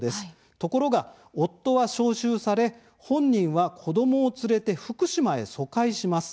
ところが、夫は召集され本人は子どもを連れて福島へ疎開します。